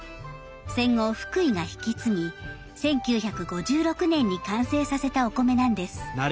戦後福井が引き継ぎ１９５６年に完成させたお米なんです。